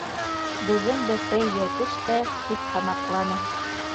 Беҙҙең бәпәй йәтеш тә! - тип һамаҡланы.